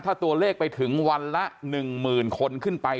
ถ้าตัวเลขไปถึงวันละ๑๐๐๐คนขึ้นไป